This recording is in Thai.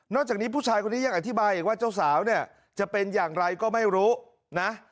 จากนี้ผู้ชายคนนี้ยังอธิบายอีกว่าเจ้าสาวเนี่ยจะเป็นอย่างไรก็ไม่รู้นะ